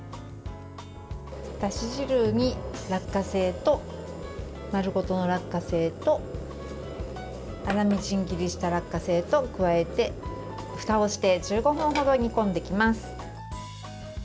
だし汁に丸ごとの落花生と粗みじん切りした落花生と加えてふたをして１５分程煮込んでいきます。